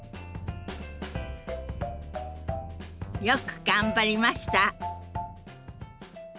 よく頑張りました。